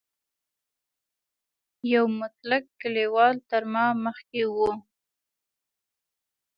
یو مطلق کلیوال تر ما مخکې و.